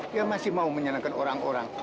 dia masih mau menyanangkan orang orang